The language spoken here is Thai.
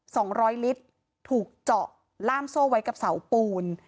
สองร้อยลิตรถูกเจาะล่ามโซ่ไว้กับเสาปูน